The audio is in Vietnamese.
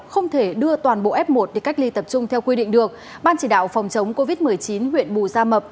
không thể đưa toàn bộ f một đi cách ly tập trung theo quy định được ban chỉ đạo phòng chống covid một mươi chín huyện bù gia mập